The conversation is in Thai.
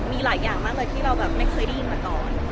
มีหลายอย่างมากเลยที่เราแบบไม่เคยได้ยินมาก่อน